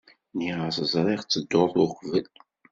Nniɣ-as ẓriɣ-tt dduṛt uqbel.